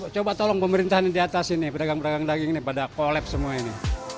coba tolong pemerintahan di atas ini pedagang pedagang daging ini pada kolapse semua ini